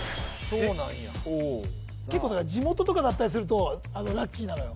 ・そうなんや結構地元とかだったりするとラッキーなのよ